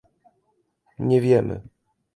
Nie wiemy